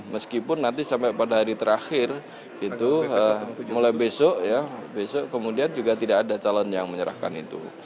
meskipun nanti sampai pada hari terakhir itu mulai besok ya besok kemudian juga tidak ada calon yang menyerahkan itu